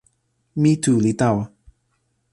mi tu li tawa.